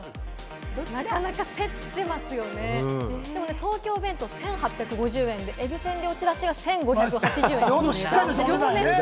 なかなか増えてますね、東京弁当１８５０円で、えび千両ちらしは１５８０円です。